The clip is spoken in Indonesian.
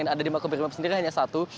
ada di makoprimap sendiri hanya satu